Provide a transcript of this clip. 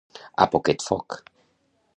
A poquet foc.